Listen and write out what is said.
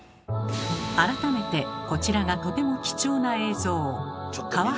改めてこちらがとても貴重な映像。